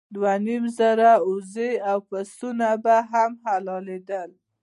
دوه نیم زره اوزې او پسونه به هم حلالېدل.